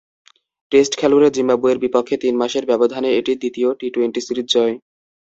Test খেলুড়ে জিম্বাবুয়ের বিপক্ষে তিন মাসের ব্যবধানে এটি দ্বিতীয় টি-টোয়েন্টি সিরিজ জয়।